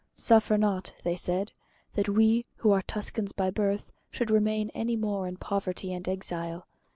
"Suffer not," they said, "that we, who are Tuscans by birth, should remain any more in poverty and exile.